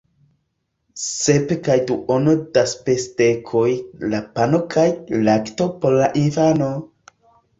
Sep kaj duono da spesdekoj la pano kaj lakto por la infano!